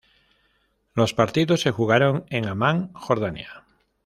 Los partidos de jugaron en Amman, Jordania.